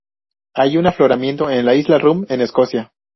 Hay un afloramiento en la Isla de Rum, en Escocia.